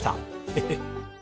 ヘヘッ。